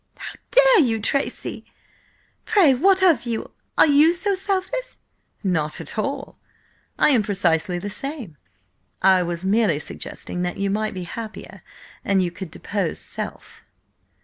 "How dare you, Tracy! Pray, what of you? Are you so selfless?" "Not at all. I am precisely the same. I was merely suggesting that you might be happier an you could depose 'self.'"